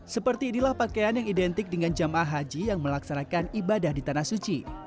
seperti inilah pakaian yang identik dengan jemaah haji yang melaksanakan ibadah di tanah suci